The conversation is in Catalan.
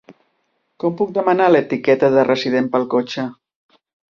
Com puc demanar l'etiqueta de resident pel cotxe?